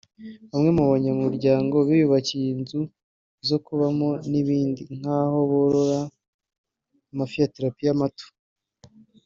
Bamwe mu banyamuryango biyubakiye inzu zo kubamo n’ibindi aho borora amafi ya tirapiya mato